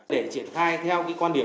để triển khai theo cái quan điểm